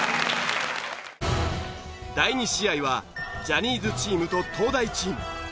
第２試合はジャニーズチームと東大チーム。